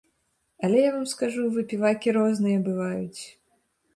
Але я вам скажу, выпівакі розныя бываюць.